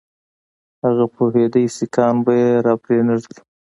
هغه پوهېدی سیکهان به یې را پرې نه ږدي.